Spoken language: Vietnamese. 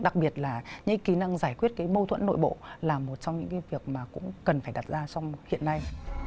đang giải quyết mâu thuẫn nội bộ là một trong những việc mà cũng cần phải đặt ra trong hiện nay